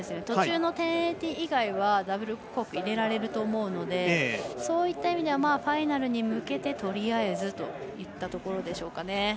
途中の１０８０以外はダブルコークを入れられると思うのでそういった意味ではファイナルに向けてとりあえず、といったところでしょうか。